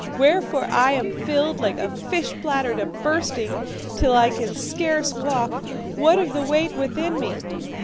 'Wherefore I am filled, like a fish bladder, to bursting, till I can scarce walk, what of the weight within me.